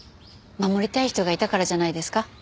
守りたい人がいたからじゃないですか？